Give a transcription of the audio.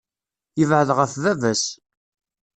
Yebɛed ɣef baba-s.